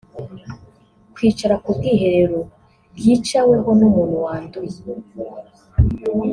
kwicara ku bwiherero bwicaweho n’umuntu wanduye